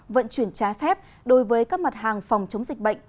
vận chuyển trái phép đối với các mặt hàng phòng chống dịch bệnh